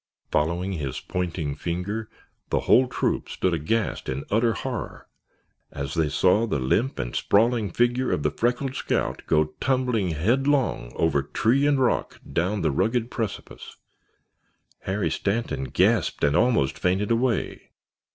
Following his pointing finger, the whole troop stood aghast in utter horror as they saw the limp and sprawling figure of the freckled scout go tumbling headlong over tree and rock down the rugged precipice. Harry Stanton gasped and almost fainted away.